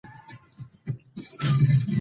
همکاري د انسانیت معراج دی.